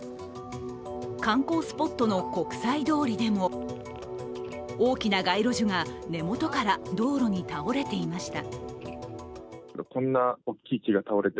観光スポットの国際通りでも大きな街路樹が根元から道路に倒れていました。